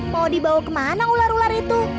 mau dibawa kemana ular ular itu